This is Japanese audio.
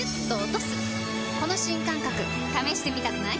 この新感覚試してみたくない？